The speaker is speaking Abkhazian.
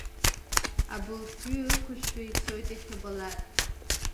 Абылфҩы ықәышәшәы ицоит иахьабалакь.